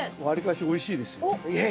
わりかしおいしいですよ。